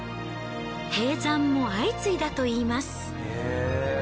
閉山も相次いだといいます。